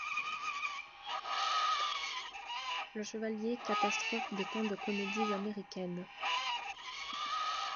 Le chevalier catastrophe de tant de comédies américaines.